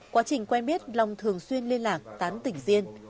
quá trình quen viết long thường xuyên liên lạc tán tỉnh diên